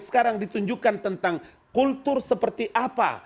sekarang ditunjukkan tentang kultur seperti apa